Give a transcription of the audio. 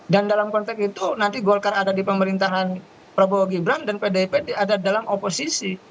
dan dalam konteks itu nanti golkar ada di pemerintahan prabowo gibran dan pdip ada dalam oposisi